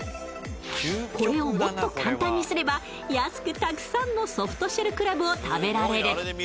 これをもっと簡単にすれば安くたくさんのソフトシェルクラブを食べられる。